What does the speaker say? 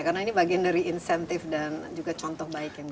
karena ini bagian dari insentif dan juga contoh baik yang bisa kita